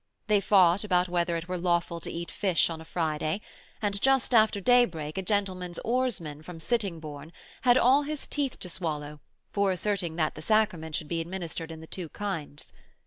They fought about whether it were lawful to eat fish on a Friday, and just after daybreak a gentleman's oarsman from Sittingbourne had all his teeth to swallow for asserting that the sacrament should be administered in the two kinds.